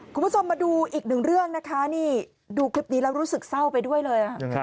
คุณผู้ชมมาดูอีกหนึ่งเรื่องนะคะนี่ดูคลิปนี้แล้วรู้สึกเศร้าไปด้วยเลย